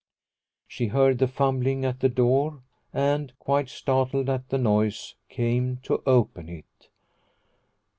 She heard the fumbling at the door and, quite startled at the noise, came to open it.